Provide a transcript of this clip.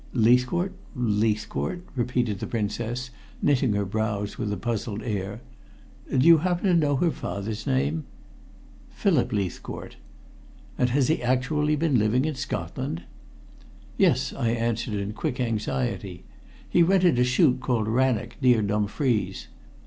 "Leithcourt? Leithcourt?" repeated the Princess, knitting her brows with a puzzled air. "Do you happen to know her father's name?" "Philip Leithcourt." "And has he actually been living in Scotland?" "Yes," I answered in quick anxiety. "He rented a shoot called Rannoch, near Dumfries.